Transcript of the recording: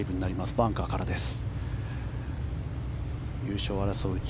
バンカーからです。